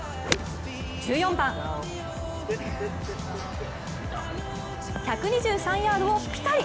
１４番、１２３ヤードをぴたり。